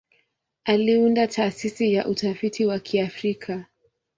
Aliunda Taasisi ya Utafiti wa Kiafrika.